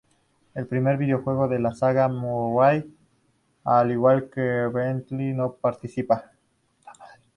En el primer videojuego de la saga, Murray, al igual que Bentley, no participa.